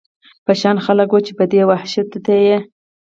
په شان خلک و، چې دې وحشیانو ته یې.